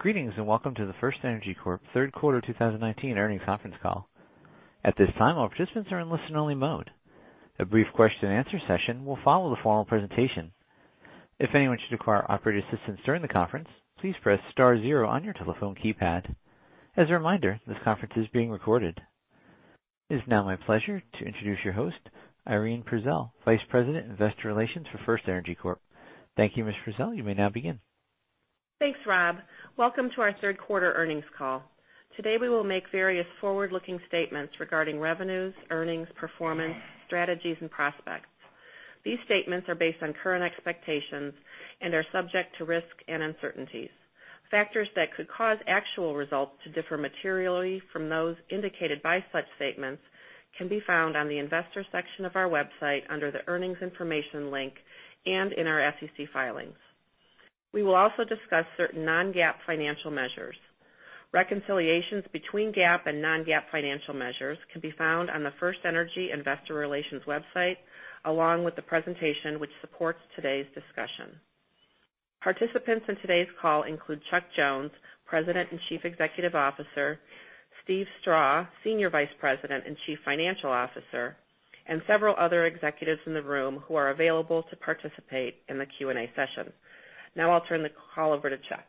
Greetings, and welcome to the FirstEnergy Corp third quarter 2019 earnings conference call. At this time, all participants are in listen-only mode. A brief question and answer session will follow the formal presentation. If anyone should require operator assistance during the conference, please press star zero on your telephone keypad. As a reminder, this conference is being recorded. It is now my pleasure to introduce your host, Irene Prezel, Vice President, Investor Relations for FirstEnergy Corp. Thank you, Ms. Prezel. You may now begin. Thanks, Rob. Welcome to our third quarter earnings call. Today we will make various forward-looking statements regarding revenues, earnings, performance, strategies, and prospects. These statements are based on current expectations and are subject to risk and uncertainties. Factors that could cause actual results to differ materially from those indicated by such statements can be found on the investor section of our website under the Earnings Information link and in our SEC filings. We will also discuss certain non-GAAP financial measures. Reconciliations between GAAP and non-GAAP financial measures can be found on the FirstEnergy investor relations website, along with the presentation which supports today's discussion. Participants in today's call include Chuck Jones, President and Chief Executive Officer, Steve Strah, Senior Vice President and Chief Financial Officer, and several other executives in the room who are available to participate in the Q&A session. I'll turn the call over to Chuck.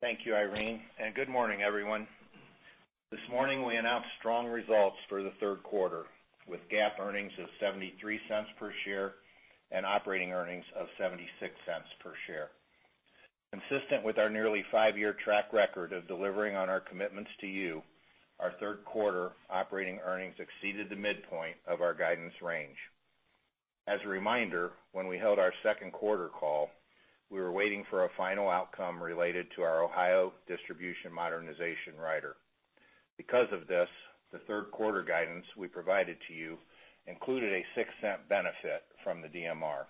Thank you, Irene. Good morning, everyone. This morning we announced strong results for the third quarter, with GAAP earnings of $0.73 per share and operating earnings of $0.76 per share. Consistent with our nearly five-year track record of delivering on our commitments to you, our third-quarter operating earnings exceeded the midpoint of our guidance range. As a reminder, when we held our second quarter call, we were waiting for a final outcome related to our Ohio Distribution Modernization Rider. Of this, the third-quarter guidance we provided to you included a $0.06 benefit from the DMR.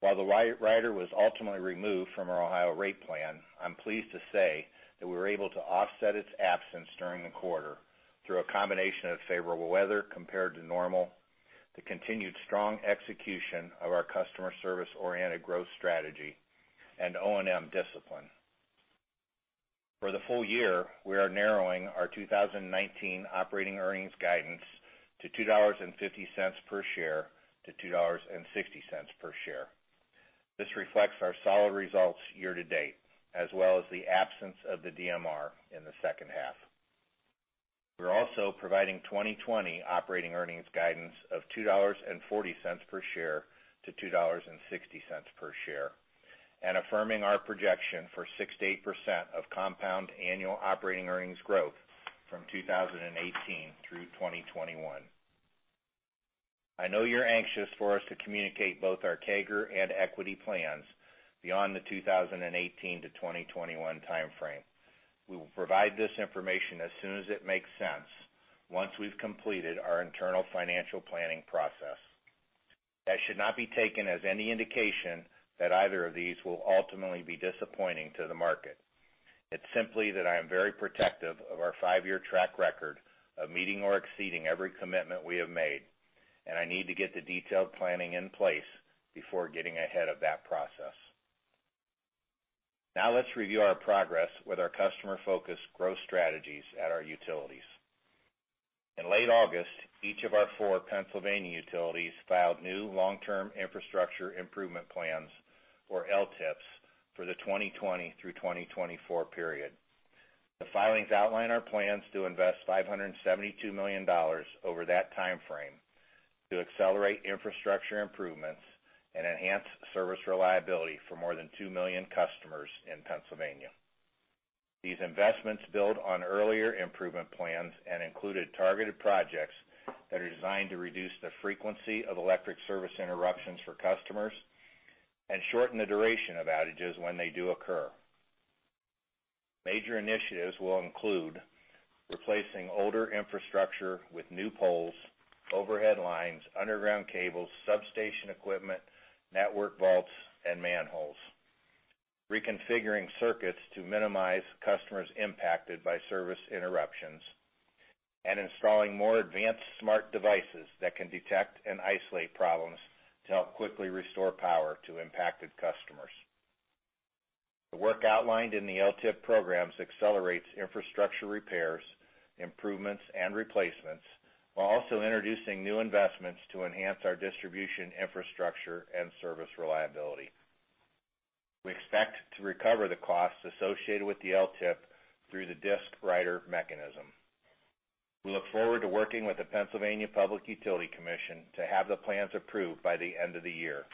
While the rider was ultimately removed from our Ohio rate plan, I'm pleased to say that we were able to offset its absence during the quarter through a combination of favorable weather compared to normal, the continued strong execution of our customer service-oriented growth strategy, and O&M discipline. For the full year, we are narrowing our 2019 operating earnings guidance to $2.50 per share to $2.60 per share. This reflects our solid results year-to-date, as well as the absence of the DMR in the second half. We're also providing 2020 operating earnings guidance of $2.40 per share to $2.60 per share, and affirming our projection for 6%-8% of compound annual operating earnings growth from 2018 through 2021. I know you're anxious for us to communicate both our CAGR and equity plans beyond the 2018 to 2021 timeframe. We will provide this information as soon as it makes sense, once we've completed our internal financial planning process. That should not be taken as any indication that either of these will ultimately be disappointing to the market. It's simply that I am very protective of our five-year track record of meeting or exceeding every commitment we have made, and I need to get the detailed planning in place before getting ahead of that process. Let's review our progress with our customer-focused growth strategies at our utilities. In late August, each of our four Pennsylvania utilities filed new long-term infrastructure improvement plans, or LTIPs, for the 2020-2024 period. The filings outline our plans to invest $572 million over that timeframe to accelerate infrastructure improvements and enhance service reliability for more than 2 million customers in Pennsylvania. These investments build on earlier improvement plans and included targeted projects that are designed to reduce the frequency of electric service interruptions for customers and shorten the duration of outages when they do occur. Major initiatives will include replacing older infrastructure with new poles, overhead lines, underground cables, substation equipment, network vaults, and manholes, reconfiguring circuits to minimize customers impacted by service interruptions, and installing more advanced smart devices that can detect and isolate problems to help quickly restore power to impacted customers. The work outlined in the LTIP programs accelerates infrastructure repairs, improvements, and replacements while also introducing new investments to enhance our distribution infrastructure and service reliability. We expect to recover the costs associated with the LTIP through the DISC rider mechanism. We look forward to working with the Pennsylvania Public Utility Commission to have the plans approved by the end of the year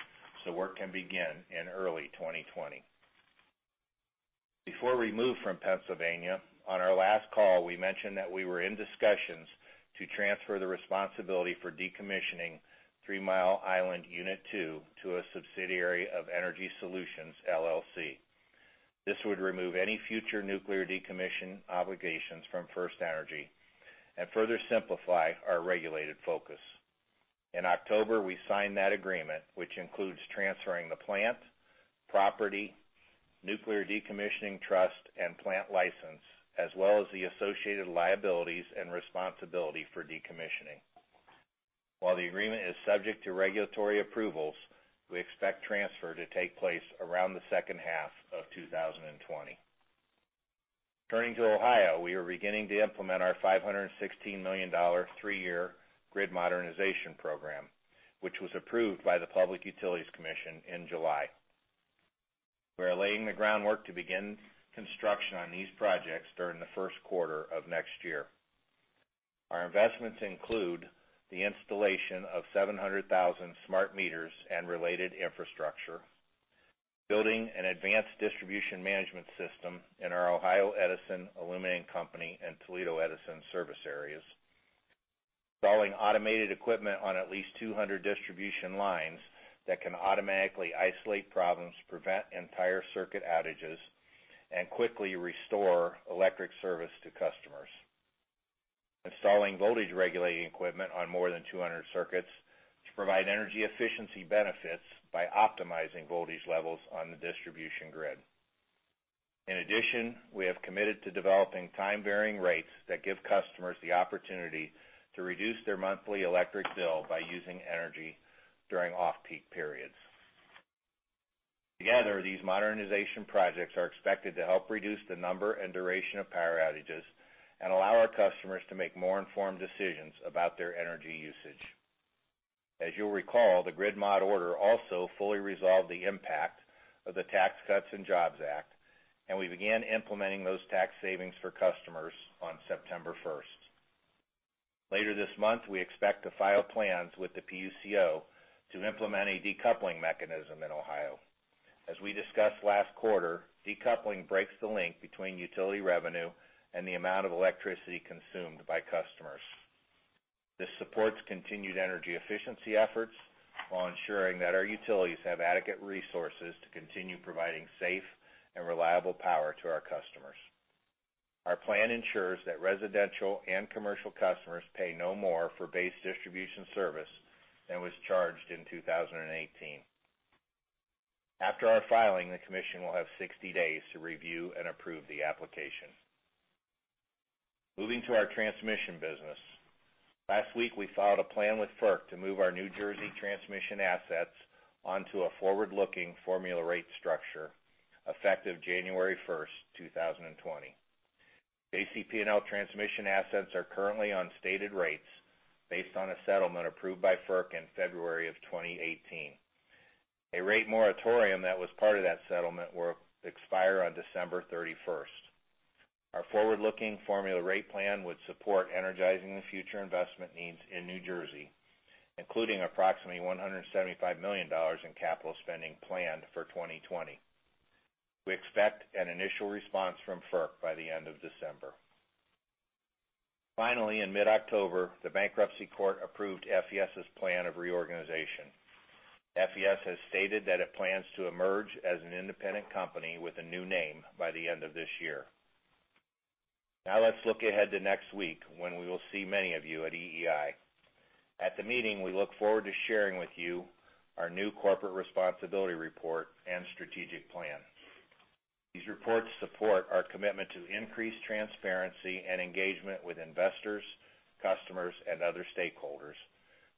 so work can begin in early 2020. Before we move from Pennsylvania, on our last call, we mentioned that we were in discussions to transfer the responsibility for decommissioning Three Mile Island Unit 2 to a subsidiary of EnergySolutions, LLC. This would remove any future nuclear decommission obligations from FirstEnergy and further simplify our regulated focus. In October, we signed that agreement, which includes transferring the plant, property, nuclear decommissioning trust, and plant license, as well as the associated liabilities and responsibility for decommissioning. While the agreement is subject to regulatory approvals, we expect transfer to take place around the second half of 2020. Turning to Ohio, we are beginning to implement our $516 million three-year Grid Modernization Program, which was approved by the Public Utilities Commission of Ohio in July. We are laying the groundwork to begin construction on these projects during the first quarter of next year. Our investments include the installation of 700,000 smart meters and related infrastructure, building an advanced distribution management system in our Ohio Edison, The Illuminating Company and Toledo Edison service areas, installing automated equipment on at least 200 distribution lines that can automatically isolate problems, prevent entire circuit outages, and quickly restore electric service to customers. Installing voltage-regulating equipment on more than 200 circuits to provide energy efficiency benefits by optimizing voltage levels on the distribution grid. In addition, we have committed to developing time-varying rates that give customers the opportunity to reduce their monthly electric bill by using energy during off-peak periods. Together, these modernization projects are expected to help reduce the number and duration of power outages and allow our customers to make more informed decisions about their energy usage. As you'll recall, the Grid Mod order also fully resolved the impact of the Tax Cuts and Jobs Act. We began implementing those tax savings for customers on September 1st. Later this month, we expect to file plans with the PUCO to implement a decoupling mechanism in Ohio. As we discussed last quarter, decoupling breaks the link between utility revenue and the amount of electricity consumed by customers. This supports continued energy efficiency efforts while ensuring that our utilities have adequate resources to continue providing safe and reliable power to our customers. Our plan ensures that residential and commercial customers pay no more for base distribution service than was charged in 2018. After our filing, the commission will have 60 days to review and approve the application. Moving to our transmission business. Last week, we filed a plan with FERC to move our New Jersey transmission assets onto a forward-looking formula rate structure effective January 1st, 2020. JCP&L transmission assets are currently on stated rates based on a settlement approved by FERC in February of 2018. A rate moratorium that was part of that settlement will expire on December 31st. Our forward-looking formula rate plan would support Energizing the Future investment needs in New Jersey, including approximately $175 million in capital spending planned for 2020. We expect an initial response from FERC by the end of December. Finally, in mid-October, the bankruptcy court approved FES' plan of reorganization. FES has stated that it plans to emerge as an independent company with a new name by the end of this year. Now let's look ahead to next week when we will see many of you at EEI. At the meeting, we look forward to sharing with you our new corporate responsibility report and strategic plan. These reports support our commitment to increased transparency and engagement with investors, customers, and other stakeholders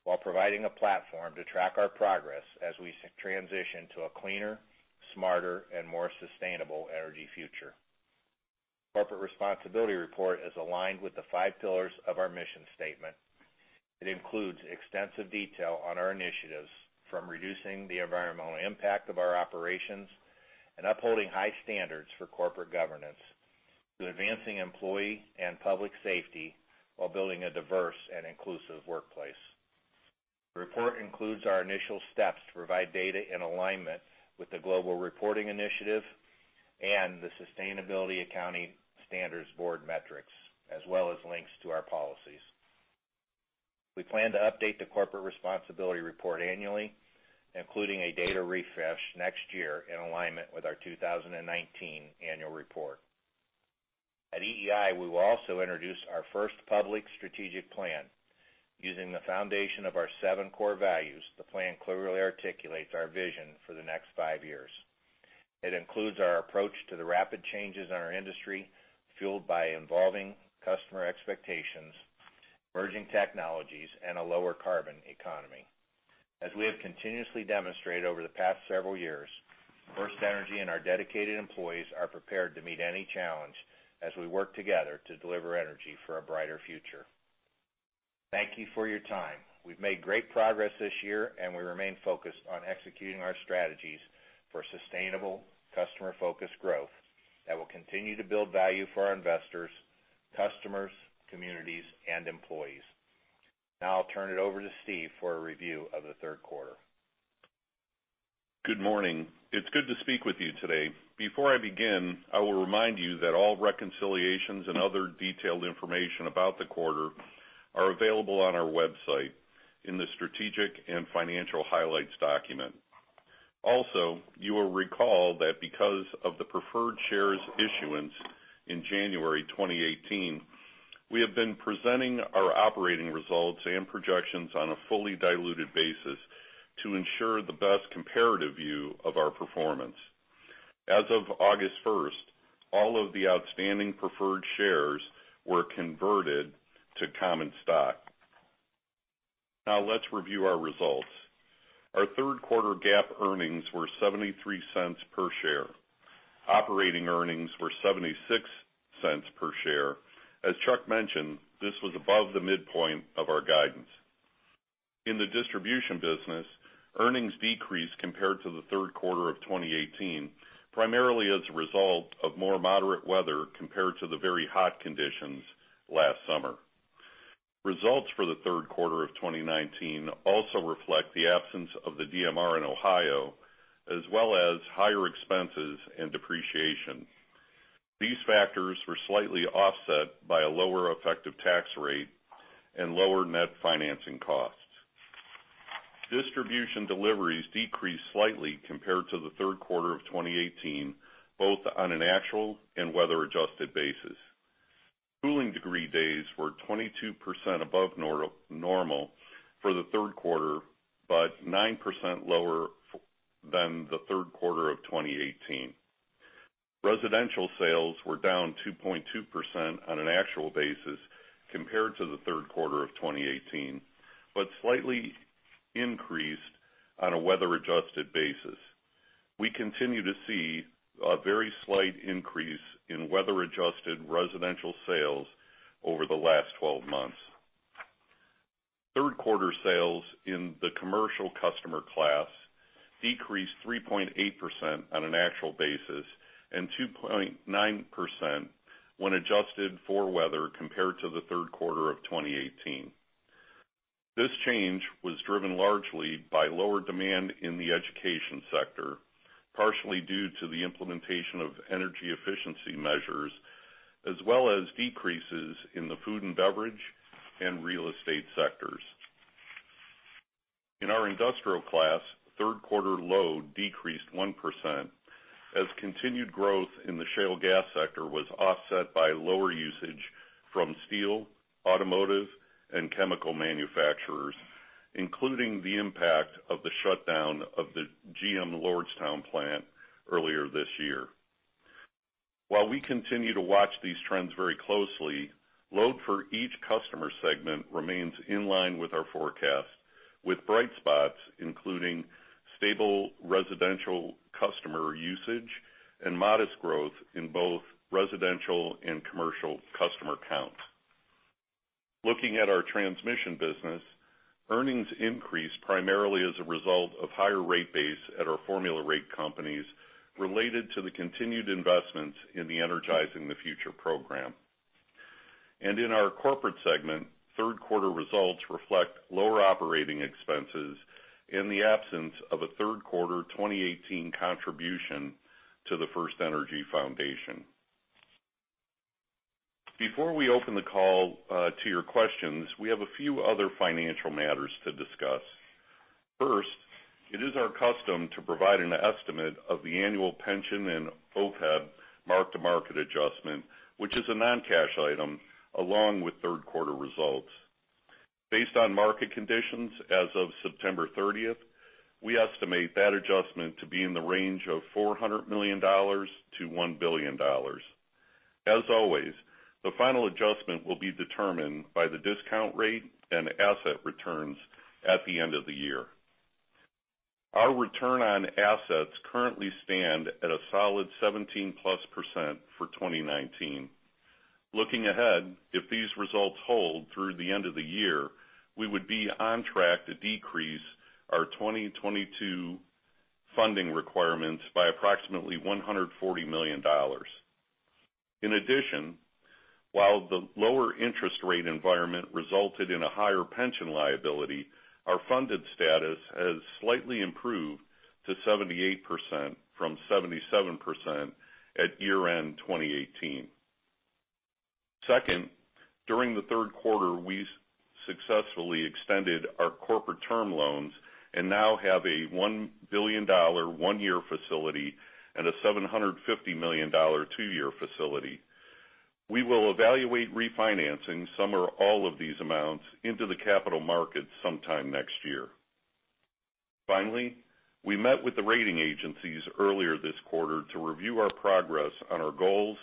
while providing a platform to track our progress as we transition to a cleaner, smarter, and more sustainable energy future. Corporate responsibility report is aligned with the five pillars of our mission statement. It includes extensive detail on our initiatives, from reducing the environmental impact of our operations and upholding high standards for corporate governance to advancing employee and public safety while building a diverse and inclusive workplace. The report includes our initial steps to provide data in alignment with the Global Reporting Initiative and the Sustainability Accounting Standards Board metrics, as well as links to our policies. We plan to update the corporate responsibility report annually, including a data refresh next year in alignment with our 2019 annual report. At EEI, we will also introduce our first public strategic plan. Using the foundation of our seven core values, the plan clearly articulates our vision for the next five years. It includes our approach to the rapid changes in our industry, fueled by evolving customer expectations, emerging technologies, and a lower carbon economy. As we have continuously demonstrated over the past several years, FirstEnergy and our dedicated employees are prepared to meet any challenge as we work together to deliver energy for a brighter future. Thank you for your time. We've made great progress this year. We remain focused on executing our strategies for sustainable, customer-focused growth that will continue to build value for our investors, customers, communities, and employees. Now I'll turn it over to Steve for a review of the third quarter. Good morning. It's good to speak with you today. Before I begin, I will remind you that all reconciliations and other detailed information about the quarter are available on our website in the strategic and financial highlights document. You will recall that because of the preferred shares issuance in January 2018, we have been presenting our operating results and projections on a fully diluted basis to ensure the best comparative view of our performance. As of August 1st, all of the outstanding preferred shares were converted to common stock. Let's review our results. Our third quarter GAAP earnings were $0.73 per share. Operating earnings were $0.76 per share. As Chuck mentioned, this was above the midpoint of our guidance. In the distribution business, earnings decreased compared to the third quarter of 2018, primarily as a result of more moderate weather compared to the very hot conditions last summer. Results for the third quarter of 2019 also reflect the absence of the DMR in Ohio, as well as higher expenses and depreciation. These factors were slightly offset by a lower effective tax rate and lower net financing costs. Distribution deliveries decreased slightly compared to the third quarter of 2018, both on an actual and weather-adjusted basis. Cooling degree days were 22% above normal for the third quarter, but 9% lower than the third quarter of 2018. Residential sales were down 2.2% on an actual basis compared to the third quarter of 2018, but slightly increased on a weather-adjusted basis. We continue to see a very slight increase in weather-adjusted residential sales over the last 12 months. Third quarter sales in the commercial customer class decreased 3.8% on an actual basis and 2.9% when adjusted for weather compared to the third quarter of 2018. This change was driven largely by lower demand in the education sector, partially due to the implementation of energy efficiency measures, as well as decreases in the food and beverage, and real estate sectors. In our industrial class, third quarter load decreased 1% as continued growth in the shale gas sector was offset by lower usage from steel, automotive, and chemical manufacturers, including the impact of the shutdown of the GM Lordstown plant earlier this year. While we continue to watch these trends very closely, load for each customer segment remains in line with our forecast, with bright spots including stable residential customer usage and modest growth in both residential and commercial customer counts. Looking at our transmission business, earnings increased primarily as a result of higher rate base at our formula rate companies related to the continued investments in the Energizing the Future program. In our corporate segment, third quarter results reflect lower operating expenses in the absence of a third quarter 2018 contribution to the FirstEnergy Foundation. Before we open the call to your questions, we have a few other financial matters to discuss. First, it is our custom to provide an estimate of the annual pension and OPEB mark-to-market adjustment, which is a non-cash item, along with third quarter results. Based on market conditions as of September 30th, we estimate that adjustment to be in the range of $400 million-$1 billion. As always, the final adjustment will be determined by the discount rate and asset returns at the end of the year. Our return on assets currently stand at a solid 17%+ for 2019. Looking ahead, if these results hold through the end of the year, we would be on track to decrease our 2022 funding requirements by approximately $140 million. In addition, while the lower interest rate environment resulted in a higher pension liability, our funded status has slightly improved to 78% from 77% at year-end 2018. Second, during the third quarter, we successfully extended our corporate term loans and now have a $1 billion one-year facility and a $750 million two-year facility. We will evaluate refinancing some or all of these amounts into the capital markets sometime next year. Finally, we met with the rating agencies earlier this quarter to review our progress on our goals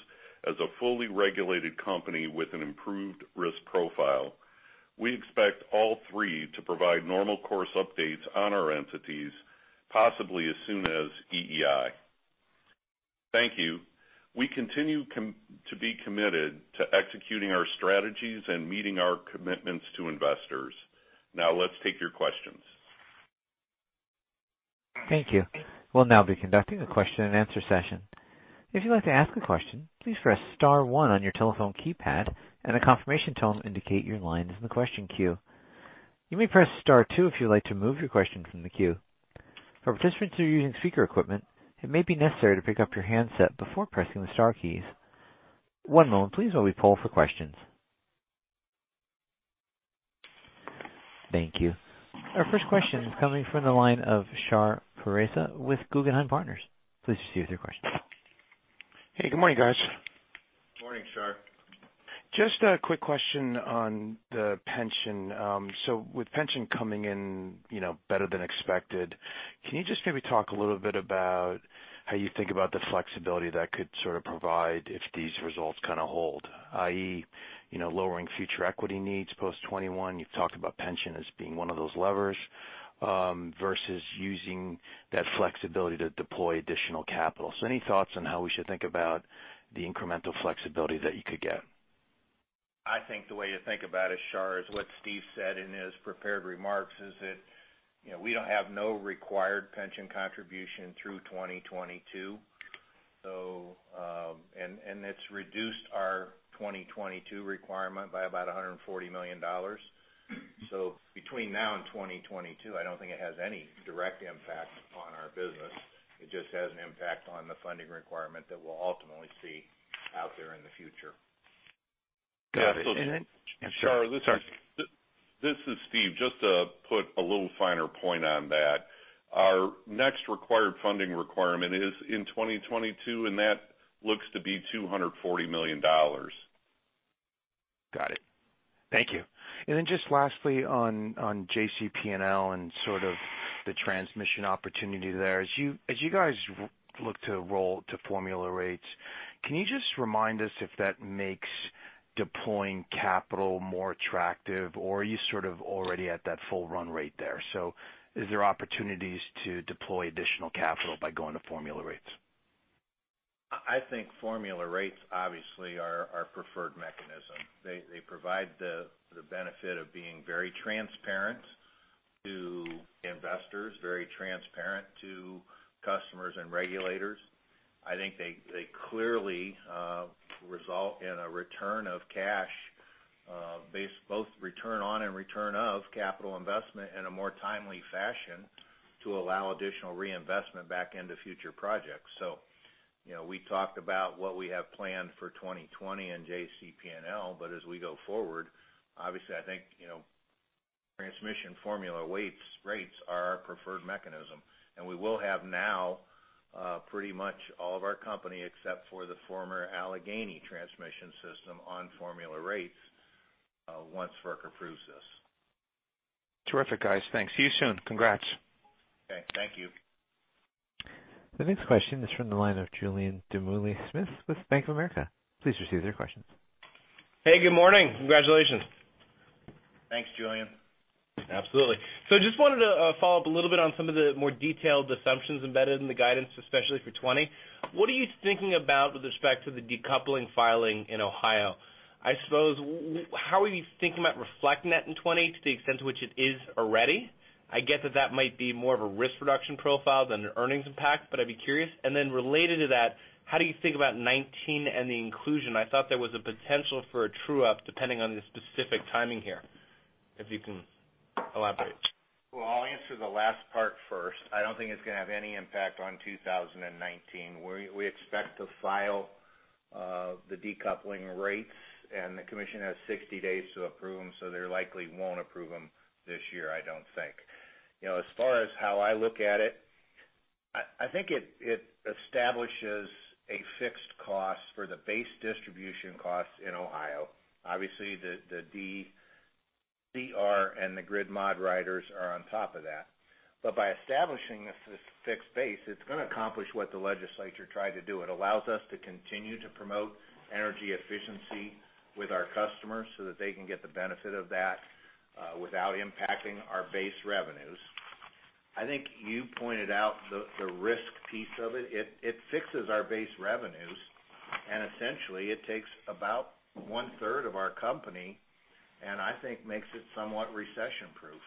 as a fully regulated company with an improved risk profile. We expect all three to provide normal course updates on our entities, possibly as soon as EEI. Thank you. We continue to be committed to executing our strategies and meeting our commitments to investors. Now let's take your questions. Thank you. We'll now be conducting a question and answer session. If you'd like to ask a question, please press *1 on your telephone keypad, and a confirmation tone to indicate your line is in the question queue. You may press *2 if you'd like to remove your question from the queue. For participants who are using speaker equipment, it may be necessary to pick up your handset before pressing the star keys. One moment please while we poll for questions. Thank you. Our first question is coming from the line of Shahriar Pourreza with Guggenheim Partners. Please proceed with your question Hey, good morning, guys. Morning, Shah. Just a quick question on the pension. With pension coming in better than expected, can you just maybe talk a little bit about how you think about the flexibility that could provide if these results kind of hold, i.e., lowering future equity needs post 2021? You've talked about pension as being one of those levers versus using that flexibility to deploy additional capital. Any thoughts on how we should think about the incremental flexibility that you could get? I think the way to think about it, Shar, is what Steve said in his prepared remarks is that we don't have no required pension contribution through 2022. It's reduced our 2022 requirement by about $140 million. Between now and 2022, I don't think it has any direct impact on our business. It just has an impact on the funding requirement that we'll ultimately see out there in the future. Got it. Shar, this is Steve. Just to put a little finer point on that, our next required funding requirement is in 2022, and that looks to be $240 million. Got it. Thank you. Just lastly on JCP&L and sort of the transmission opportunity there. As you guys look to roll to formula rates, can you just remind us if that makes deploying capital more attractive or are you sort of already at that full run rate there? Is there opportunities to deploy additional capital by going to formula rates? I think formula rates obviously are our preferred mechanism. They provide the benefit of being very transparent to investors, very transparent to customers and regulators. I think they clearly result in a return of cash based, both return on and return of capital investment in a more timely fashion to allow additional reinvestment back into future projects. We talked about what we have planned for 2020 and JCP&L, but as we go forward, obviously I think, transmission formula rates are our preferred mechanism. We will have now pretty much all of our company except for the former Allegheny transmission system on formula rates, once FERC approves this. Terrific, guys. Thanks. See you soon. Congrats. Okay. Thank you. The next question is from the line of Julien Dumoulin-Smith with Bank of America. Please proceed with your questions. Hey, good morning. Congratulations. Thanks, Julien. Absolutely. Just wanted to follow up a little bit on some of the more detailed assumptions embedded in the guidance, especially for 2020. What are you thinking about with respect to the decoupling filing in Ohio? I suppose, how are you thinking about reflecting that in 2020 to the extent to which it is already? I get that that might be more of a risk reduction profile than an earnings impact, but I'd be curious. Related to that, how do you think about 2019 and the inclusion? I thought there was a potential for a true-up depending on the specific timing here. If you can elaborate. Well, I'll answer the last part first. I don't think it's going to have any impact on 2019. We expect to file the decoupling rates and the commission has 60 days to approve them, so they likely won't approve them this year, I don't think. As far as how I look at it, I think it establishes a fixed cost for the base distribution costs in Ohio. Obviously, the DCR and the Grid Mod riders are on top of that. By establishing this fixed base, it's going to accomplish what the legislature tried to do. It allows us to continue to promote energy efficiency with our customers so that they can get the benefit of that without impacting our base revenues. I think you pointed out the risk piece of it. It fixes our base revenues essentially it takes about one-third of our company and I think makes it somewhat recession-proof.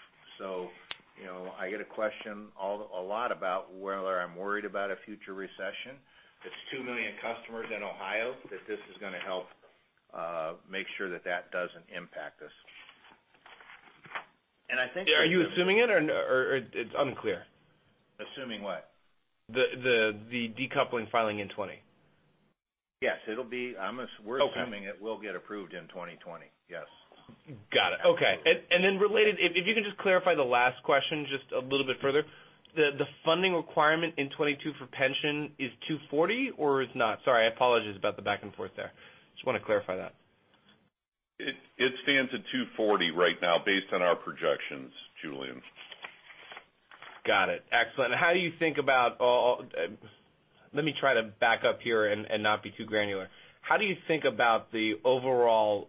I get a question a lot about whether I'm worried about a future recession. It's 2 million customers in Ohio that this is going to help make sure that that doesn't impact us. Are you assuming it or it's unclear? Assuming what? The decoupling filing in 2020. Yes. We're assuming it will get approved in 2020. Yes. Got it. Okay. Related, if you can just clarify the last question just a little bit further. The funding requirement in 2022 for pension is $240 or it's not? Sorry, I apologize about the back and forth there. Just want to clarify that. It stands at $240 right now based on our projections, Julien. Got it. Excellent. Let me try to back up here and not be too granular. How do you think about the overall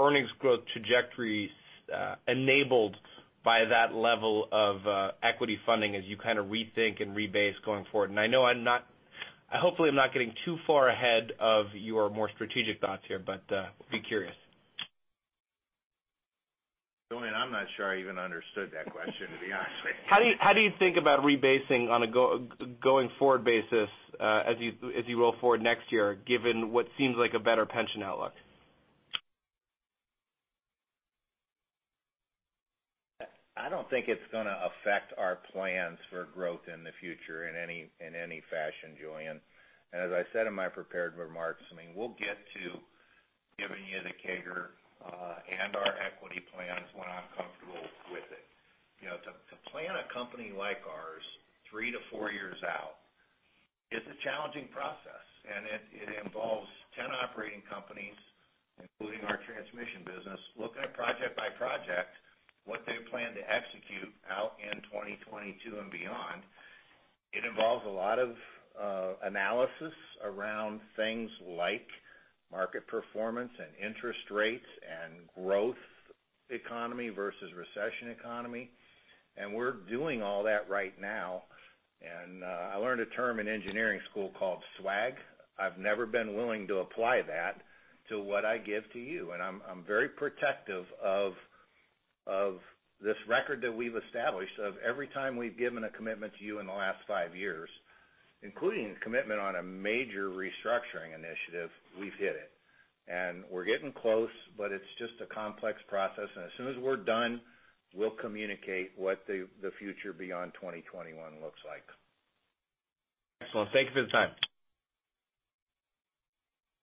earnings growth trajectory enabled by that level of equity funding as you kind of rethink and rebase going forward? Hopefully I'm not getting too far ahead of your more strategic thoughts here. Be curious. Julien, I'm not sure I even understood that question, to be honest with you. How do you think about rebasing on a going-forward basis as you roll forward next year, given what seems like a better pension outlook? I don't think it's going to affect our plans for growth in the future in any fashion, Julien. As I said in my prepared remarks, we'll get to giving you the CAGR and our equity plans when I'm comfortable with it. To plan a company like ours three to four years out is a challenging process, and it involves 10 operating companies, including our transmission business, looking at project by project what they plan to execute out in 2022 and beyond. It involves a lot of analysis around things like market performance and interest rates, and growth economy versus recession economy. We're doing all that right now. I learned a term in engineering school called SWAG. I've never been willing to apply that to what I give to you, and I'm very protective of this record that we've established of every time we've given a commitment to you in the last five years, including a commitment on a major restructuring initiative, we've hit it. We're getting close, but it's just a complex process, and as soon as we're done, we'll communicate what the future beyond 2021 looks like. Excellent. Thank you for the time.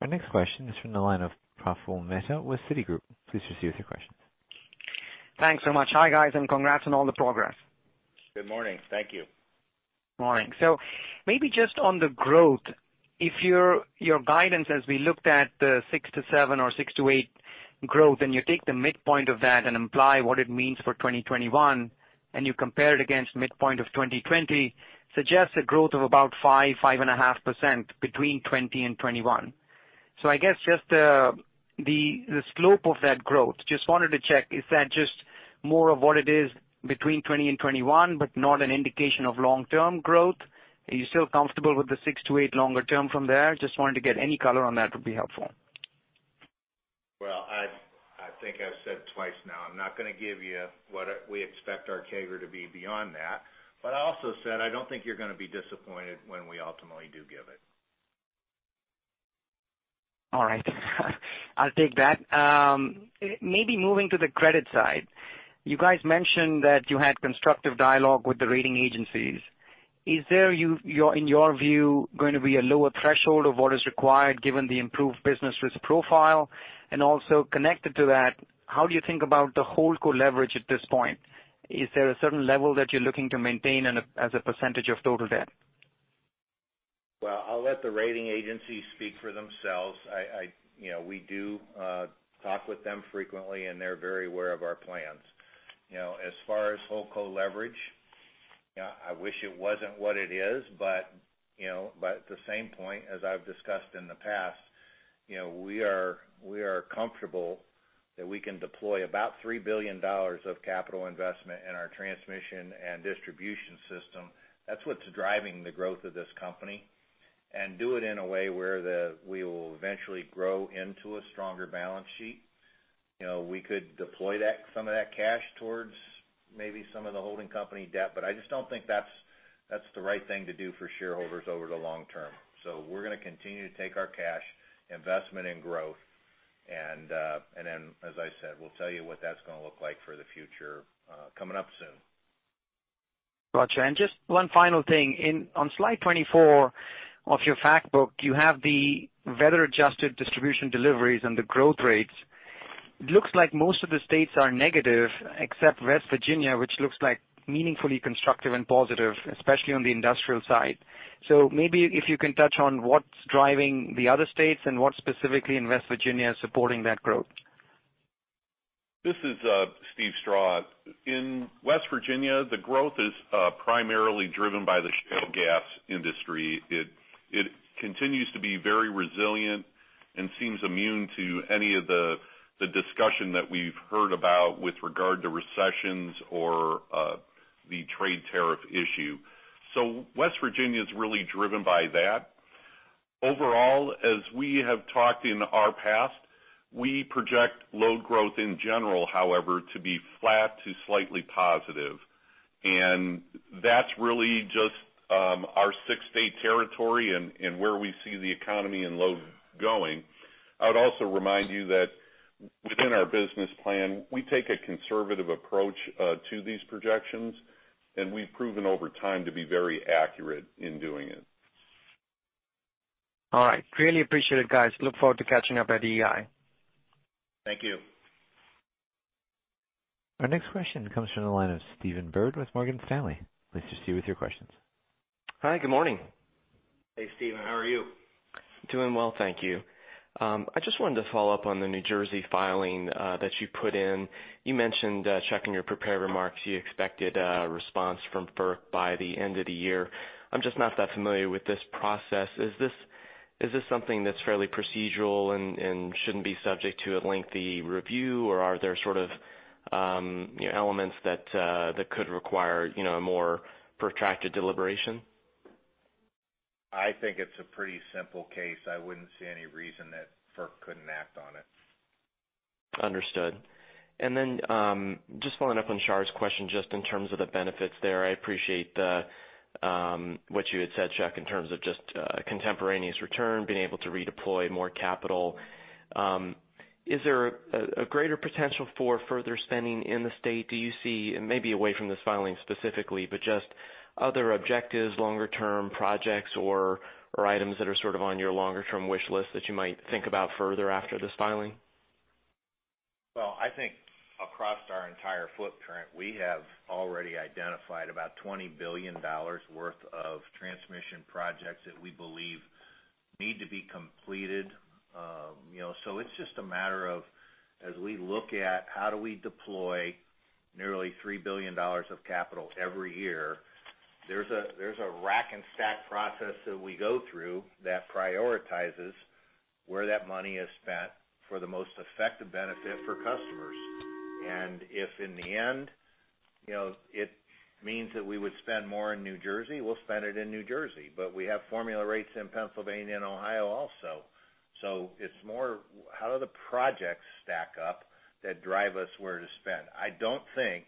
Our next question is from the line of Praful Mehta with Citigroup. Please proceed with your questions. Thanks so much. Hi, guys. Congrats on all the progress. Good morning. Thank you. Morning. Maybe just on the growth, if your guidance as we looked at the 6% to 7% or 6% to 8% growth, and you take the midpoint of that and imply what it means for 2021, and you compare it against midpoint of 2020, suggests a growth of about 5%-5.5% between 2020 and 2021. I guess just the slope of that growth, just wanted to check, is that just more of what it is between 2020 and 2021, but not an indication of long-term growth? Are you still comfortable with the 6% to 8% longer term from there? Just wanted to get any color on that would be helpful. Well, I think I've said twice now, I'm not going to give you what we expect our CAGR to be beyond that. I also said, I don't think you're going to be disappointed when we ultimately do give it. All right. I'll take that. Maybe moving to the credit side. You guys mentioned that you had constructive dialogue with the rating agencies. Is there, in your view, going to be a lower threshold of what is required given the improved business risk profile? Also connected to that, how do you think about the holdco leverage at this point? Is there a certain level that you're looking to maintain as a percentage of total debt? Well, I'll let the rating agencies speak for themselves. We do talk with them frequently, and they're very aware of our plans. As far as holdco leverage, I wish it wasn't what it is, but at the same point, as I've discussed in the past, we are comfortable that we can deploy about $3 billion of capital investment in our transmission and distribution system. That's what's driving the growth of this company. Do it in a way where we will eventually grow into a stronger balance sheet. We could deploy some of that cash towards maybe some of the holding company debt, but I just don't think that's the right thing to do for shareholders over the long term. We're going to continue to take our cash investment in growth, and then, as I said, we'll tell you what that's going to look like for the future, coming up soon. Got you. Just one final thing. On slide 24 of your fact book, you have the weather-adjusted distribution deliveries and the growth rates. It looks like most of the states are negative except West Virginia, which looks like meaningfully constructive and positive, especially on the industrial side. Maybe if you can touch on what's driving the other states and what specifically in West Virginia is supporting that growth. This is Steve Strah. In West Virginia, the growth is primarily driven by the shale gas industry. It continues to be very resilient and seems immune to any of the discussion that we've heard about with regard to recessions or the trade tariff issue. West Virginia is really driven by that. Overall, as we have talked in our past, we project load growth in general, however, to be flat to slightly positive. That's really just our six-state territory and where we see the economy and load going. I would also remind you that within our business plan, we take a conservative approach to these projections, and we've proven over time to be very accurate in doing it. All right. Really appreciate it, guys. Look forward to catching up at EEI. Thank you. Our next question comes from the line of Stephen Byrd with Morgan Stanley. Please proceed with your questions. Hi, good morning. Hey, Steven, how are you? Doing well, thank you. I just wanted to follow up on the New Jersey filing that you put in. You mentioned, Chuck, in your prepared remarks, you expected a response from FERC by the end of the year. I'm just not that familiar with this process. Is this something that's fairly procedural and shouldn't be subject to a lengthy review, or are there sort of elements that could require a more protracted deliberation? I think it's a pretty simple case. I wouldn't see any reason that FERC couldn't act on it. Understood. Just following up on Shar's question, just in terms of the benefits there. I appreciate what you had said, Chuck, in terms of just a contemporaneous return, being able to redeploy more capital. Is there a greater potential for further spending in the state? Do you see, maybe away from this filing specifically, but just other objectives, longer-term projects or items that are sort of on your longer-term wish list that you might think about further after this filing? I think across our entire footprint, we have already identified about $20 billion worth of transmission projects that we believe need to be completed. It's just a matter of, as we look at how do we deploy nearly $3 billion of capital every year, there's a rack-and-stack process that we go through that prioritizes where that money is spent for the most effective benefit for customers. If, in the end, it means that we would spend more in New Jersey, we'll spend it in New Jersey. We have formula rates in Pennsylvania and Ohio also. It's more how do the projects stack up that drive us where to spend. I don't think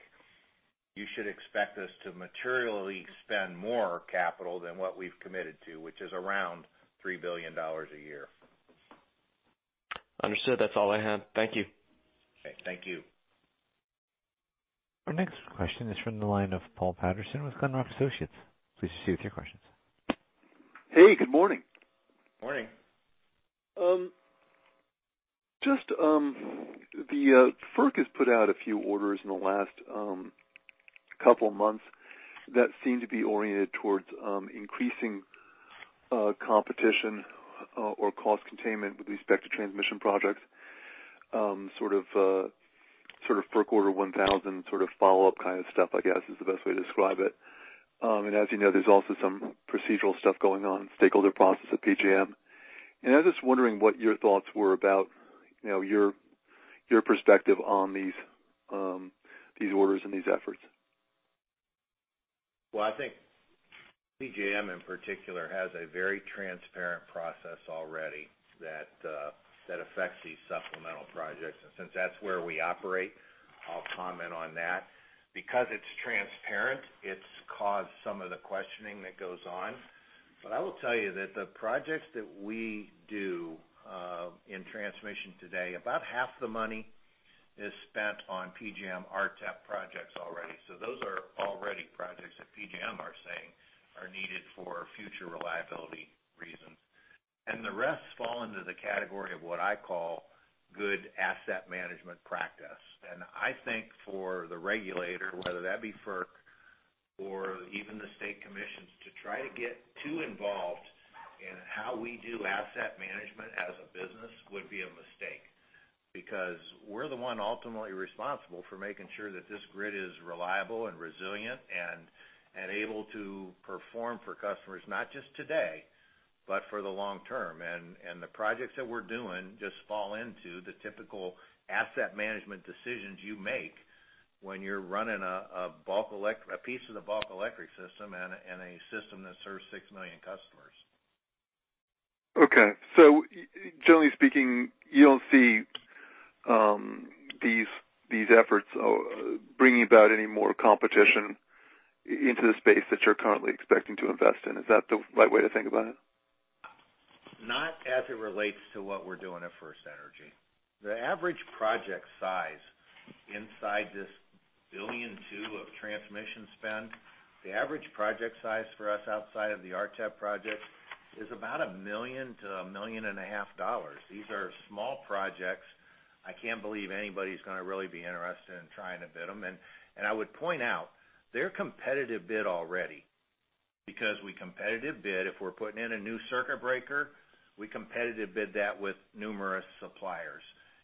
you should expect us to materially spend more capital than what we've committed to, which is around $3 billion a year. Understood. That's all I had. Thank you. Okay. Thank you. Our next question is from the line of Paul Patterson with Glenrock Associates. Please proceed with your questions. Hey, good morning. Morning. Just, the FERC has put out a few orders in the last couple of months that seem to be oriented towards increasing competition or cost containment with respect to transmission projects. Sort of FERC Order 1000 follow-up kind of stuff, I guess, is the best way to describe it. As you know, there's also some procedural stuff going on, stakeholder process at PJM. I'm just wondering what your thoughts were about your perspective on these orders and these efforts. I think PJM in particular, has a very transparent process already that affects these supplemental projects. Since that's where we operate, I'll comment on that. Because it's transparent, it's caused some of the questioning that goes on. I will tell you that the projects that we do in transmission today, about half the money is spent on PJM RTEP projects already. Those are already projects that PJM are saying are needed for future reliability reasons. The rest fall under the category of what I call good asset management practice. I think for the regulator, whether that be FERC or even the state commissions, to try to get too involved in how we do asset management as a business would be a mistake. Because we're the one ultimately responsible for making sure that this grid is reliable and resilient, and able to perform for customers, not just today, but for the long term. The projects that we're doing just fall into the typical asset management decisions you make when you're running a piece of the bulk electric system and a system that serves 6 million customers. Okay. Generally speaking, you don't see these efforts bringing about any more competition into the space that you're currently expecting to invest in. Is that the right way to think about it? Not as it relates to what we're doing at FirstEnergy. The average project size inside this $1.2 billion of transmission spend, the average project size for us outside of the RTEP projects, is about $1 million-$1.5 million. These are small projects. I can't believe anybody's going to really be interested in trying to bid them. I would point out they're competitive bid already because we competitive bid. If we're putting in a new circuit breaker, we competitive bid that with numerous suppliers.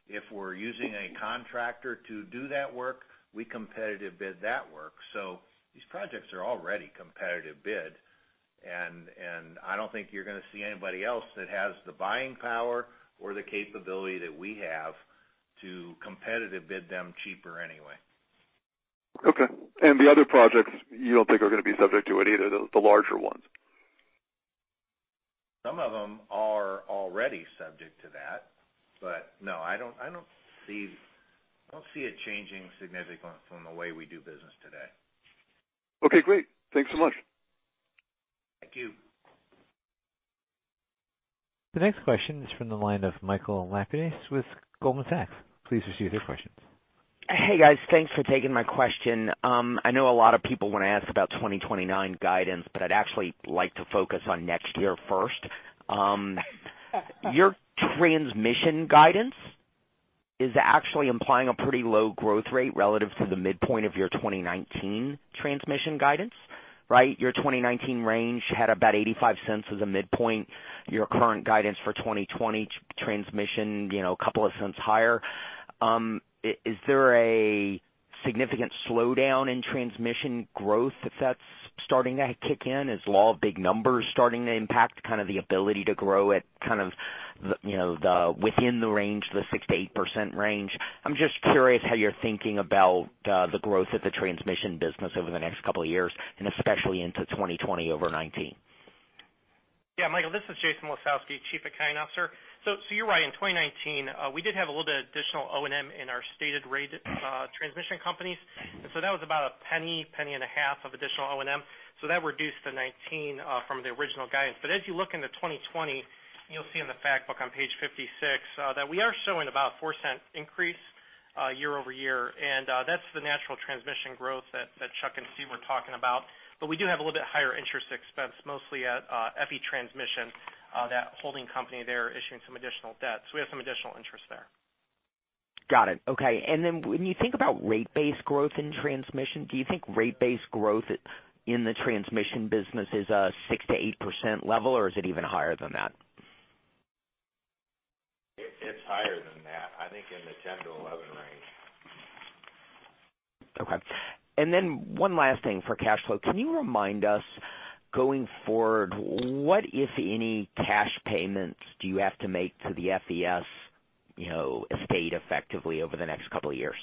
If we're using a contractor to do that work, we competitive bid that work. These projects are already competitive bid, and I don't think you're going to see anybody else that has the buying power or the capability that we have to competitive bid them cheaper anyway. Okay. The other projects you don't think are going to be subject to it either, the larger ones? Some of them are already subject to that. No, I don't see it changing significant from the way we do business today. Okay, great. Thanks so much. Thank you. The next question is from the line of Michael Lapides with Goldman Sachs. Please proceed with your questions. Hey, guys. Thanks for taking my question. I know a lot of people want to ask about 2029 guidance. I'd actually like to focus on next year first. Your transmission guidance is actually implying a pretty low growth rate relative to the midpoint of your 2019 transmission guidance, right? Your 2019 range had about $0.85 as a midpoint. Your current guidance for 2020 transmission, a couple of cents higher. Is there a significant slowdown in transmission growth if that's starting to kick in? Is law of big numbers starting to impact the ability to grow it within the range, the 6%-8% range? I'm just curious how you're thinking about the growth of the transmission business over the next couple of years, and especially into 2020 over 2019. Michael, this is Jason Lisowski, Chief Accounting Officer. You're right. In 2019, we did have a little bit of additional O&M in our stated rate transmission companies. That was about $0.01, $0.015 of additional O&M. That reduced to 2019 from the original guidance. As you look into 2020, you'll see in the fact book on page 56, that we are showing about a $0.04 increase year-over-year. That's the natural transmission growth that Chuck and Steve were talking about. We do have a little bit higher interest expense, mostly at EPI Transmission, that holding company there issuing some additional debt. We have some additional interest there. Got it. Okay. When you think about rate-based growth in transmission, do you think rate-based growth in the transmission business is a 6%-8% level, or is it even higher than that? It's higher than that. I think in the 10%-11% range. Okay. One last thing for cash flow. Can you remind us, going forward, what, if any, cash payments do you have to make to the FES estate effectively over the next couple of years?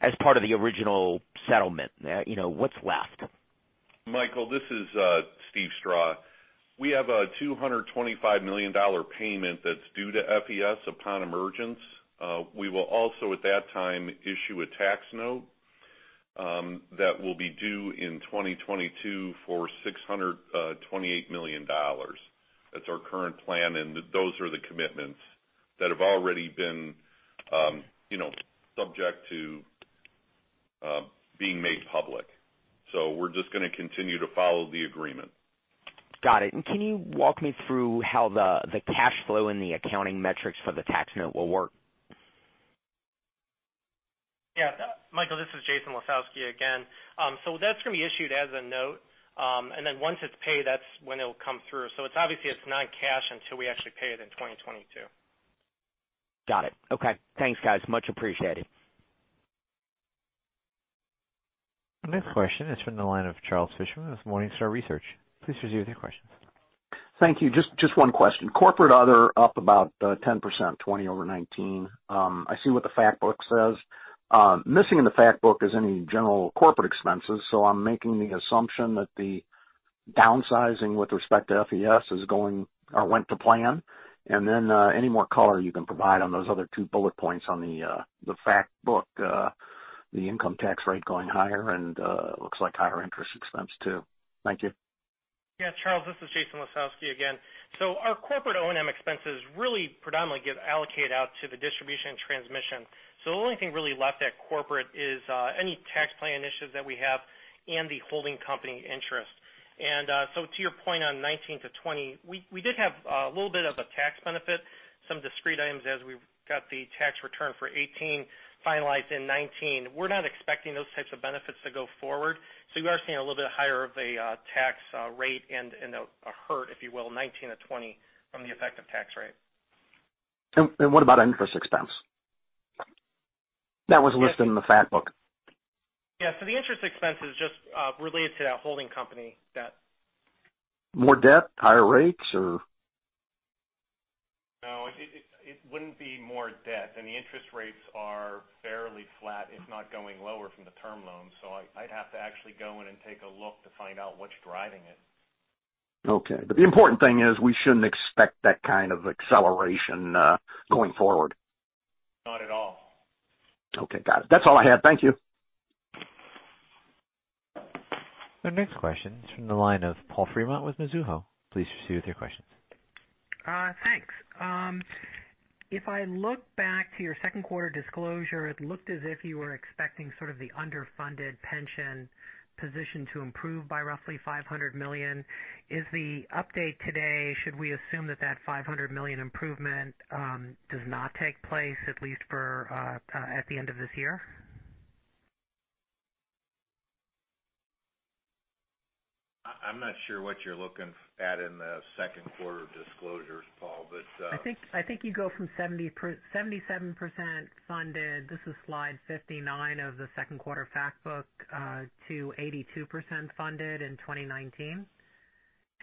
As part of the original settlement, what's left? Michael, this is Steve Strah. We have a $225 million payment that's due to FES upon emergence. We will also at that time issue a tax note that will be due in 2022 for $628 million. That's our current plan, and those are the commitments that have already been subject to being made public. We're just going to continue to follow the agreement. Got it. Can you walk me through how the cash flow and the accounting metrics for the tax note will work? Yeah. Michael, this is Jason Lisowski again. That's going to be issued as a note, and then once it's paid, that's when it will come through. It's obviously it's not cash until we actually pay it in 2022. Got it. Okay. Thanks, guys. Much appreciated. Next question is from the line of Charles Fisher with Morningstar, Inc. Please proceed with your questions. Thank you. Just one question. Corporate other up about 10%, 2020 over 2019. I see what the fact book says. Missing in the fact book is any general corporate expenses. I'm making the assumption that the downsizing with respect to FES went to plan. Any more color you can provide on those other two bullet points on the fact book, the income tax rate going higher and looks like higher interest expense, too. Thank you. Yeah, Charles, this is Jason Lisowski again. Our corporate O&M expenses really predominantly get allocated out to the distribution and transmission. The only thing really left at corporate is any tax plan issues that we have and the holding company interest. To your point on 2019 to 2020, we did have a little bit of a tax benefit, some discrete items as we got the tax return for 2018 finalized in 2019. We're not expecting those types of benefits to go forward. You are seeing a little bit higher of a tax rate and a hurt, if you will, 2019 to 2020 from the effective tax rate. What about interest expense? That was listed in the fact book. Yeah. The interest expense is just related to that holding company debt. More debt, higher rates, or? No. It wouldn't be more debt. The interest rates are fairly flat. It's not going lower from the term loans, so I'd have to actually go in and take a look to find out what's driving it. Okay. The important thing is we shouldn't expect that kind of acceleration going forward. Not at all. Okay. Got it. That's all I had. Thank you. Our next question is from the line of Paul Fremont with Mizuho. Please proceed with your questions. Thanks. If I look back to your second quarter disclosure, it looked as if you were expecting sort of the underfunded pension position to improve by roughly $500 million. Is the update today, should we assume that that $500 million improvement does not take place, at least at the end of this year? I'm not sure what you're looking at in the second quarter disclosures, Paul. I think you go from 77% funded, this is slide 59 of the second quarter fact book, to 82% funded in 2019.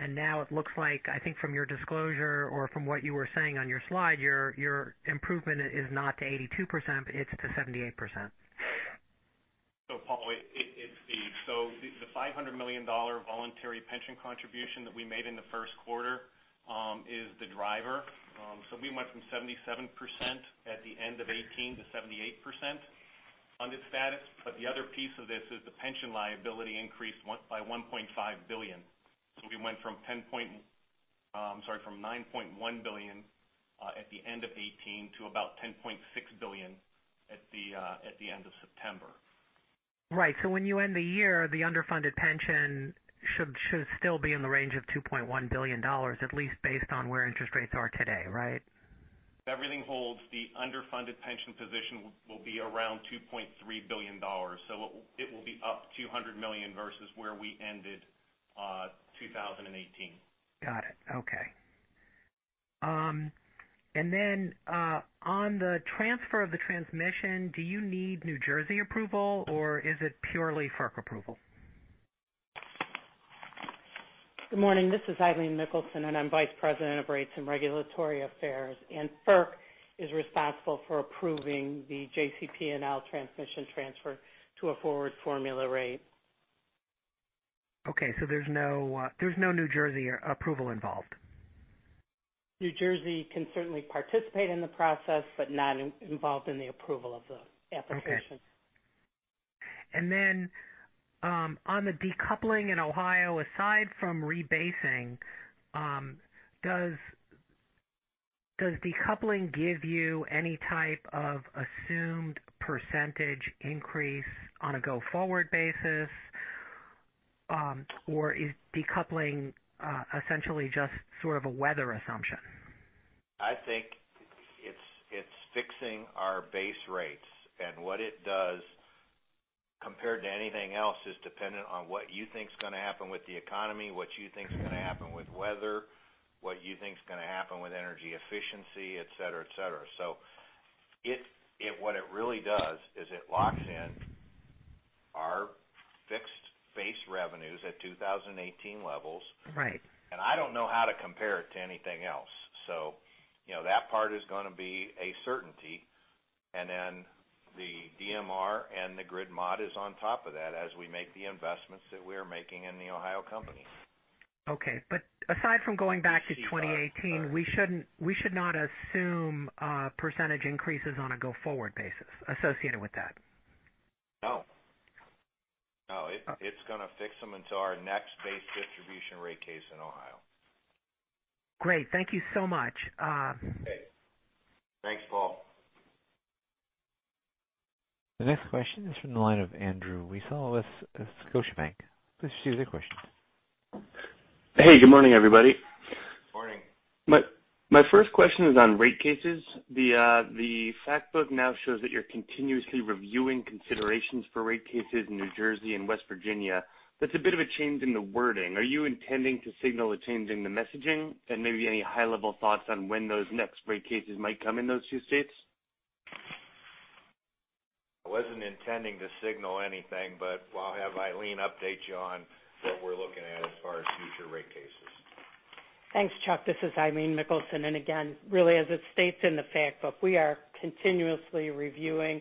Now it looks like, I think from your disclosure or from what you were saying on your slide, your improvement is not to 82%, but it's to 78%. Paul, the $500 million voluntary pension contribution that we made in the first quarter is the driver. We went from 77% at the end of 2018 to 78% funded status. The other piece of this is the pension liability increased by $1.5 billion. We went from $9.1 billion at the end of 2018 to about $10.6 billion at the end of September. Right. When you end the year, the underfunded pension should still be in the range of $2.1 billion, at least based on where interest rates are today, right? If everything holds, the underfunded pension position will be around $2.3 billion. It will be up $200 million versus where we ended 2018. Got it. Okay. Then, on the transfer of the transmission, do you need New Jersey approval, or is it purely FERC approval? Good morning. This is Eileen Nicholson, I'm Vice President of Rates and Regulatory Affairs, FERC is responsible for approving the JCP&L transmission transfer to a forward formula rate. There's no New Jersey approval involved? New Jersey can certainly participate in the process, but not involved in the approval of the application. Okay. On the decoupling in Ohio, aside from rebasing, does decoupling give you any type of assumed percentage increase on a go-forward basis? Or is decoupling essentially just sort of a weather assumption? I think it's fixing our base rates. What it does, compared to anything else, is dependent on what you think's going to happen with the economy, what you think's going to happen with weather, what you think's going to happen with energy efficiency, et cetera. What it really does is it locks in our fixed base revenues at 2018 levels. Right. I don't know how to compare it to anything else. That part is going to be a certainty. Then the DMR and the Grid Mod is on top of that as we make the investments that we are making in the Ohio company. Okay. Aside from going back to 2018, we should not assume % increases on a go-forward basis associated with that? No. It's going to fix them until our next base distribution rate case in Ohio. Great. Thank you so much. Okay. Thanks, Paul. The next question is from the line of Andrew Weisel with Scotiabank. Please proceed with your questions. Hey, good morning, everybody. Morning. My first question is on rate cases. The fact book now shows that you are continuously reviewing considerations for rate cases in New Jersey and West Virginia. That is a bit of a change in the wording. Are you intending to signal a change in the messaging and maybe any high-level thoughts on when those next rate cases might come in those two states? I wasn't intending to signal anything, but I'll have Eileen update you on what we're looking at as far as future rate cases. Thanks, Chuck. This is Eileen Nicholson. Again, really, as it states in the fact book, we are continuously reviewing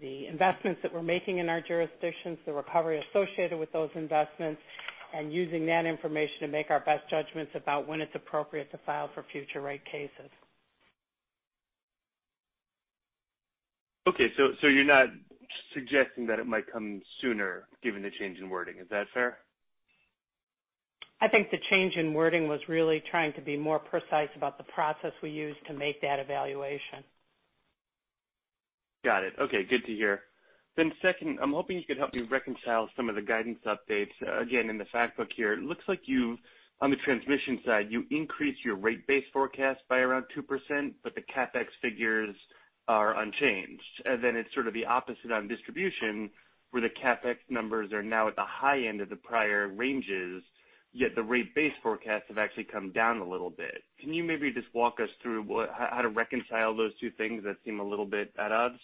the investments that we're making in our jurisdictions, the recovery associated with those investments, and using that information to make our best judgments about when it's appropriate to file for future rate cases. Okay, you're not suggesting that it might come sooner given the change in wording. Is that fair? I think the change in wording was really trying to be more precise about the process we use to make that evaluation. Got it. Okay, good to hear. Second, I'm hoping you could help me reconcile some of the guidance updates. Again, in the fact book here, it looks like on the transmission side, you increased your rate base forecast by around 2%, but the CapEx figures are unchanged. It's sort of the opposite on distribution, where the CapEx numbers are now at the high end of the prior ranges, yet the rate base forecasts have actually come down a little bit. Can you maybe just walk us through how to reconcile those two things that seem a little bit at odds?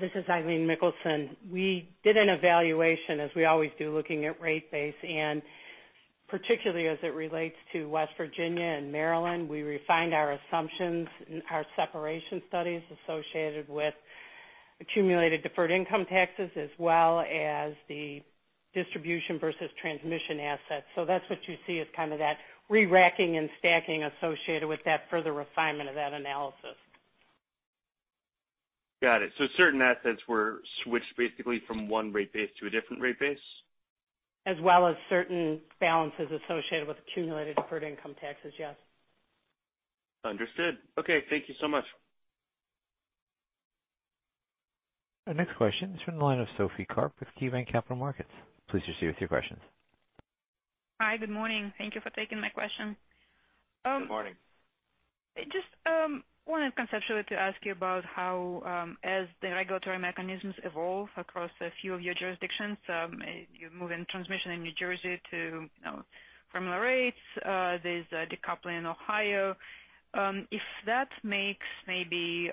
This is Eileen Nicholson. We did an evaluation, as we always do, looking at rate base, and particularly as it relates to West Virginia and Maryland. We refined our assumptions in our separation studies associated with accumulated deferred income taxes as well as the distribution versus transmission assets. That's what you see as kind of that re-racking and stacking associated with that further refinement of that analysis. Got it. Certain assets were switched basically from one rate base to a different rate base? As well as certain balances associated with accumulated deferred income taxes, yes. Understood. Okay, thank you so much. Our next question is from the line of Sophie Karp with KeyBanc Capital Markets. Please proceed with your questions. Hi. Good morning. Thank you for taking my question. Good morning. Just wanted conceptually to ask you about how, as the regulatory mechanisms evolve across a few of your jurisdictions, you're moving transmission in New Jersey to formula rates. There's decoupling in Ohio. If that makes maybe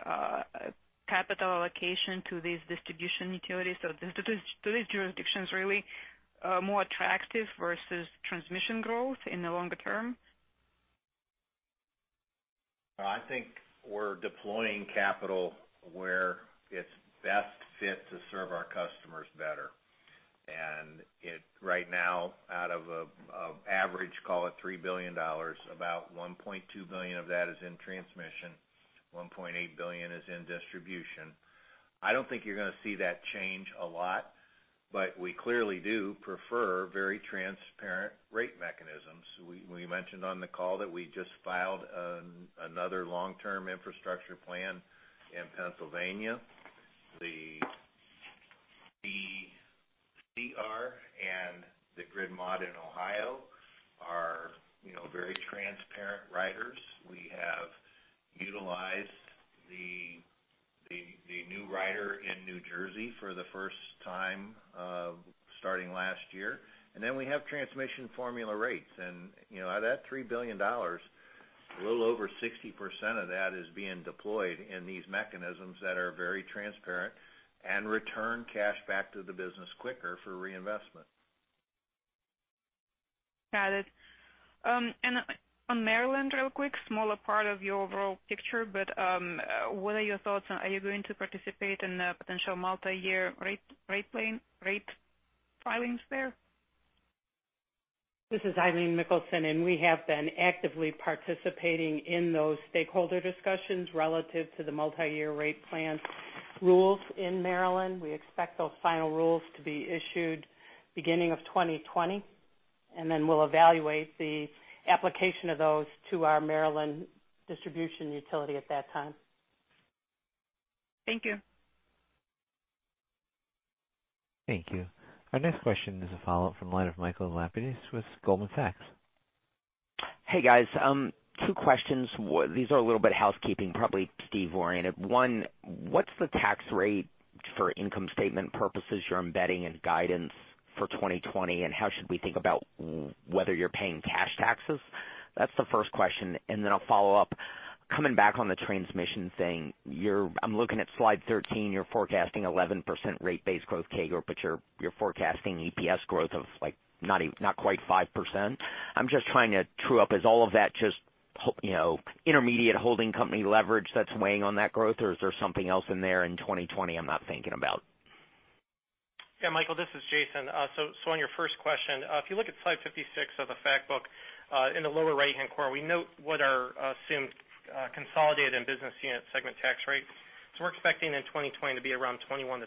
capital allocation to these distribution utilities or these jurisdictions really more attractive versus transmission growth in the longer term? I think we're deploying capital where it's best fit to serve our customers better. Right now, out of an average, call it $3 billion, about $1.2 billion of that is in transmission, $1.8 billion is in distribution. I don't think you're going to see that change a lot, but we clearly do prefer very transparent rate mechanisms. We mentioned on the call that we just filed another long-term infrastructure plan in Pennsylvania. The CR and the Grid Mod in Ohio are very transparent riders. We have utilized the new rider in New Jersey for the first time starting last year. We have transmission formula rates. Of that $3 billion, a little over 60% of that is being deployed in these mechanisms that are very transparent and return cash back to the business quicker for reinvestment. Got it. On Maryland, real quick, smaller part of your overall picture, but what are your thoughts on, are you going to participate in the potential multi-year rate filings there? This is Eileen Nicholson. We have been actively participating in those stakeholder discussions relative to the multi-year rate plan rules in Maryland. We expect those final rules to be issued beginning of 2020. Then we'll evaluate the application of those to our Maryland distribution utility at that time. Thank you. Thank you. Our next question is a follow-up from the line of Michael Lapides with Goldman Sachs. Hey, guys. Two questions. These are a little bit housekeeping, probably Steve-oriented. One, what's the tax rate for income statement purposes you're embedding in guidance for 2020, and how should we think about whether you're paying cash taxes? That's the first question. Then a follow-up, coming back on the transmission thing, I'm looking at slide 13, you're forecasting 11% rate base growth CAGR, but you're forecasting EPS growth of not quite 5%. I'm just trying to true up, is all of that just intermediate holding company leverage that's weighing on that growth? Is there something else in there in 2020 I'm not thinking about? Yeah, Michael, this is Jason. On your first question, if you look at slide 56 of the fact book, in the lower right-hand corner, we note what our assumed consolidated and business unit segment tax rates. We're expecting in 2020 to be around 21%-24%.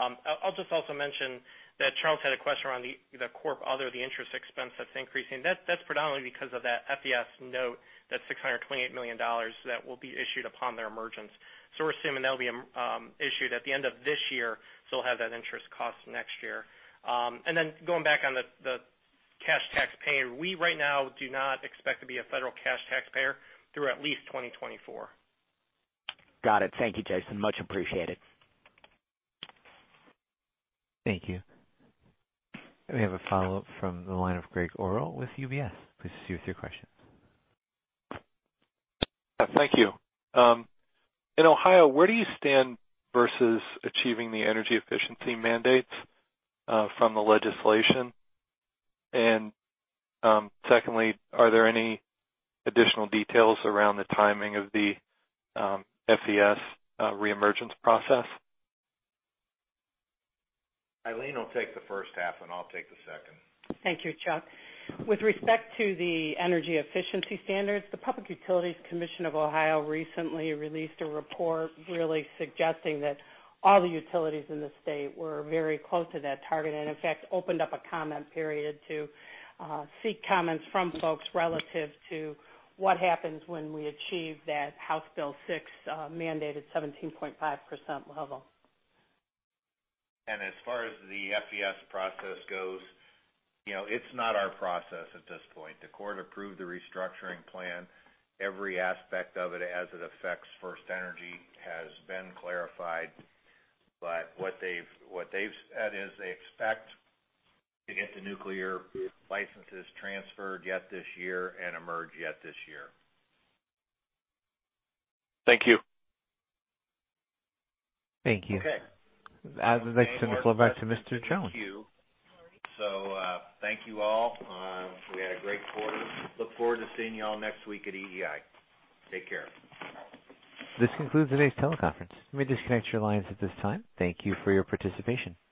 I'll just also mention that Charles had a question around the Corp., although the interest expense that's increasing. That's predominantly because of that FES note, that $628 million that will be issued upon their emergence. We're assuming that'll be issued at the end of this year, so we'll have that interest cost next year. Then going back on the cash tax pay, we right now do not expect to be a federal cash taxpayer through at least 2024. Got it. Thank you, Jason. Much appreciated. Thank you. We have a follow-up from the line of Greg Gordon with Evercore ISI. Please proceed with your questions. Thank you. In Ohio, where do you stand versus achieving the energy efficiency mandates from the legislation? Secondly, are there any additional details around the timing of the FES re-emergence process? Eileen will take the first half, and I'll take the second. Thank you, Chuck. With respect to the energy efficiency standards, the Public Utilities Commission of Ohio recently released a report really suggesting that all the utilities in the state were very close to that target, and in fact, opened up a comment period to seek comments from folks relative to what happens when we achieve that House Bill 6-mandated 17.5% level. As far as the FES process goes, it's not our process at this point. The court approved the restructuring plan. Every aspect of it as it affects FirstEnergy has been clarified. What they've said is they expect to get the nuclear licenses transferred yet this year and emerge yet this year. Thank you. Thank you. Okay. Next I'm going to go back to Mr. Jones. Thank you. Thank you all. We had a great quarter. Look forward to seeing you all next week at EEI. Take care. This concludes today's teleconference. You may disconnect your lines at this time. Thank you for your participation.